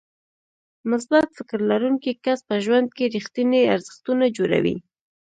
مثبت فکر لرونکی کس په ژوند کې رېښتيني ارزښتونه جوړوي.